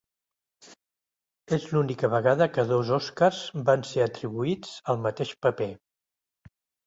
És l'única vegada que dos Oscars van ser atribuïts al mateix paper.